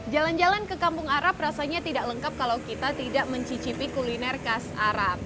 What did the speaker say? jalan jalan ke kampung arab rasanya tidak lengkap kalau kita tidak mencicipi kuliner khas arab